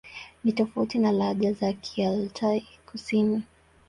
Ni tofauti na lahaja za Kialtai-Kusini.